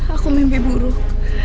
aku mimpi buruk